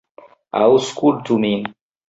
Aŭskultu min!